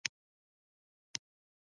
• لمر د فضا د تودوخې او کچې ټاکونکی دی.